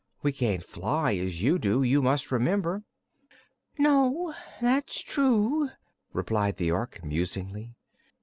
"We can't fly, as you do, you must remember." "No, that's true," replied the Ork musingly.